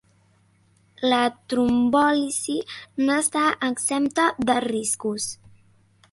La trombòlisi no està exempte de riscos.